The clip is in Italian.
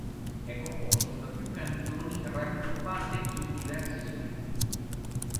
È composto da più canzoni raggruppate in diverse "suites".